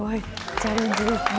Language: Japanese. チャレンジですね。